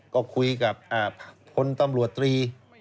ก็คุยกับพลตำรวจตรี